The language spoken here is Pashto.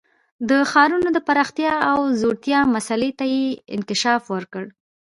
د ښارونو د پراختیا او ځوړتیا مسئلې ته یې انکشاف ورکړ